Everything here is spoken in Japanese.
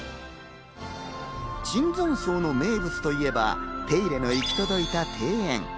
椿山荘の名物といえば、手入れの行き届いた庭園。